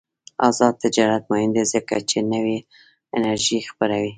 آزاد تجارت مهم دی ځکه چې نوې انرژي خپروي.